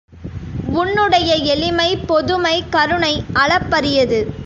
உன்னுடைய எளிமை பொதுமை கருணை அளப்பரியது!